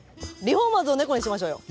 リフォーマーズのネコにしましょうよ！